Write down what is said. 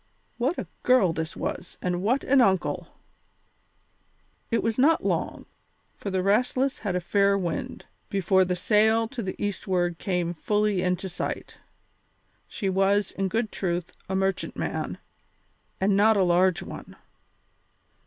"What a girl this was, and what an uncle!" It was not long, for the Restless had a fair wind, before the sail to the eastward came fully into sight. She was, in good truth, a merchantman, and not a large one.